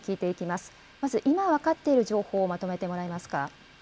まず、今分かっている情報をまとめてもらえますか。